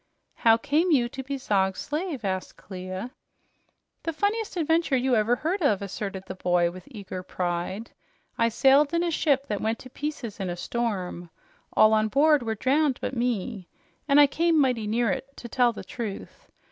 '" "How came you to be Zog's slave?" asked Clia. "The funniest adventure you ever heard of," asserted the boy with eager pride. "I sailed in a ship that went to pieces in a storm. All on board were drowned but me, and I came mighty near it, to tell the truth.